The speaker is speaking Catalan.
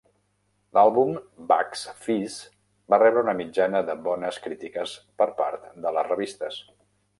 L'àlbum "Bucks Fizz" va rebre una mitjana de bones crítiques per part de les revistes.